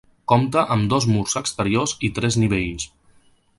Compta amb dos murs exteriors i tres nivells.